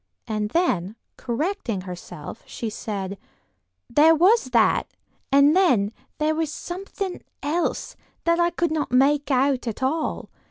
And then, correcting herself, she said: "There was that; and then there was something else that I could not make out at all.